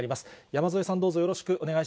山添さん、どうぞよろしくお願い